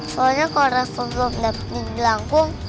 soalnya kalau rafa belum dapatnya di langkung